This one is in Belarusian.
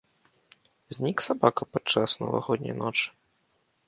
Знік сабака падчас навагодняй ночы?